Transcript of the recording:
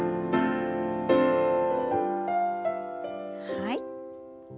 はい。